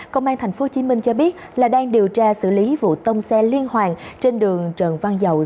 công an tp hcm cho biết là đang điều tra xử lý vụ tông xe liên hoàn trên đường trần văn dầu